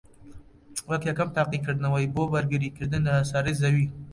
وەک یەکەم تاقیکردنەوەی بۆ بەرگریکردن لە هەسارەی زەوی